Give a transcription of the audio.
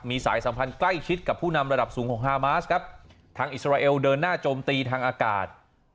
มีสายสัมพันธ์ใกล้ชิดกับผู้นำระดับสูงของฮามาสครับทางอิสราเอลเดินหน้าโจมตีทางอากาศ